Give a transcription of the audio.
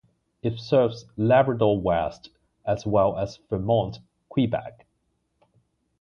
It serves Labrador West as well as Fermont, Quebec.